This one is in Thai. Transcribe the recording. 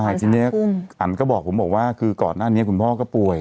ใช่ทีนี้อันก็บอกผมบอกว่าคือก่อนหน้านี้คุณพ่อก็ป่วย